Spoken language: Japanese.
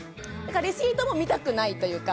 レシートも見たくないというか。